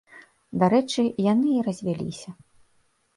Дарэчы, яны і развяліся.